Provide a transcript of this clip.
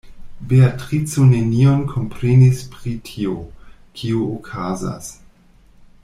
Beatrico nenion komprenis pri tio, kio okazas.